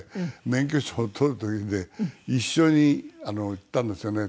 免許証を取る時にね一緒に行ったんですよね